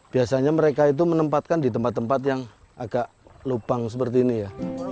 biasanya mereka itu menempatkan di tempat tempat yang agak lubang seperti ini ya